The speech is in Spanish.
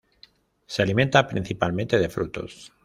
Se alimenta principalmente de frutos.